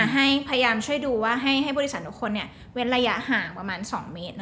ให้พยายามช่วยดูว่าให้บริษัททุกคนเว้นระยะห่างประมาณ๒เมตร